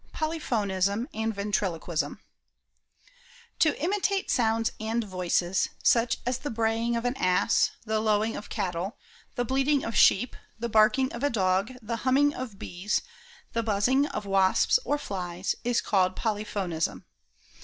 Polyphonism and Ventriloquism, To imitate sounds and voices, such as the braying of an ass, the lowing of cattle, the bleating of sheep, the barking of a dog, the humming of bees, the buzzing of wasps or flies, is called Polypho nism.